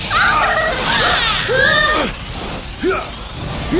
ketua zil kepala zil